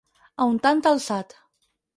A un tant alçat.